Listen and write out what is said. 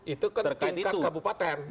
itu kan tingkat kabupaten